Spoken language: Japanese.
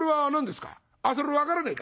「それ分からねえか？